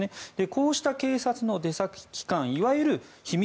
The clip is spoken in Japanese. こうした警察の出先機関いわゆる秘密